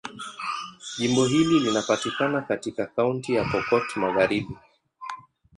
Jimbo hili linapatikana katika Kaunti ya Pokot Magharibi.